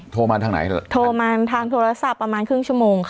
โทรมาทางไหนเถอะโทรมาทางโทรศัพท์ประมาณครึ่งชั่วโมงค่ะ